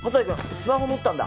スマホ持ったんだ。